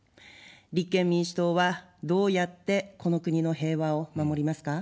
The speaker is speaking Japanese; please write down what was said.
立憲民主党はどうやってこの国の平和を守りますか。